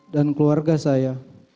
dan keluarga saya